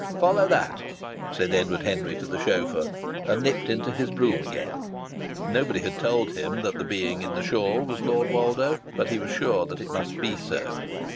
"Follow that!" said Edward Henry to the chauffeur and nipped into his brougham again. Nobody had told him that the being in the shawl was Lord Woldo, but he was sure that it must be so.